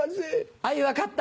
あい分かった。